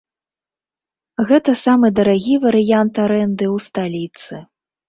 Гэта самы дарагі варыянт арэнды ў сталіцы.